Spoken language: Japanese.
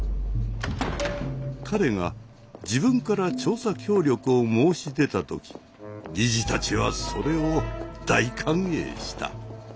彼が自分から調査協力を申し出た時理事たちはそれを大歓迎した。